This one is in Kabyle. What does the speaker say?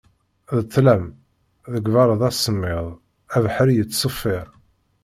D ṭlam, deg berra d asemmiḍ, abeḥri yettseffir.